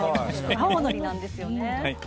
青のりなんですね。